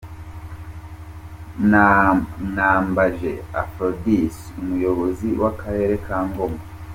Nambaje Aphrodise, umuyobozi w’akarere ka Ngoma.